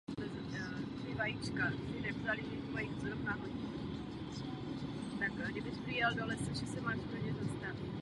Nebezpečná je rovněž reaktivita sodíku s vodou vedoucí ke vzniku molekul vodíku.